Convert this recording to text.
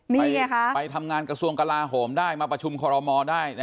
นี่ไงคะไปทำงานกระทรวงกลาโหมได้มาประชุมคอรมอลได้